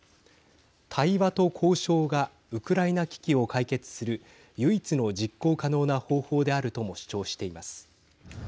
対話と交渉がウクライナ危機を解決する唯一の実行可能な方法であるとも主張しています。